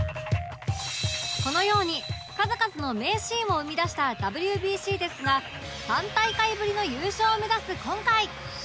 このように数々の名シーンを生み出した ＷＢＣ ですが３大会ぶりの優勝を目指す今回